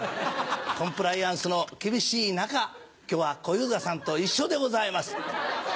コンプライアンスの厳しい中今日は小遊三さんと一緒でございます。